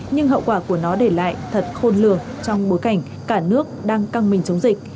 nhưng hậu quả của nó để lại thật khôn lường trong bối cảnh cả nước đang căng mình chống dịch